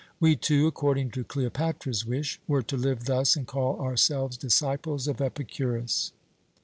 We, too according to Cleopatra's wish were to live thus and call ourselves 'disciples of Epicurus.'